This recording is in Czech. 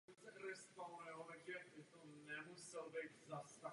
Nabízíme tedy možnost přechodného období.